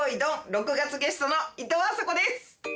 ６がつゲストのいとうあさこです！